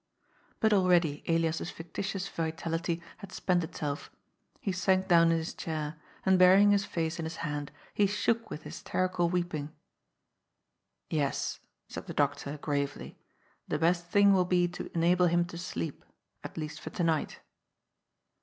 But already Elias's fictitious vitality had spent itself. He sank down in his chair, and burying his face in his hand, he shook with hysterical weeping. " Yes," said the doctor gravely. " The best thing will be to enable him to sleep, at least for to night."